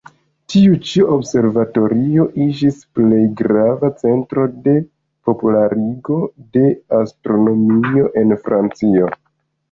Tiu-ĉi observatorio iĝis plej grava centro de popularigo de astronomio en Francio.